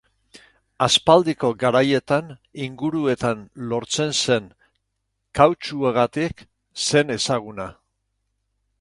Aspaldiko garaietan, inguruetan lortzen zen kautxuagatik zen ezaguna.